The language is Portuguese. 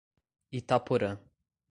Itaporã